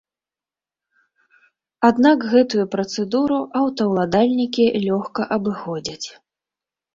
Аднак гэтую працэдуру аўтаўладальнікі лёгка абыходзяць.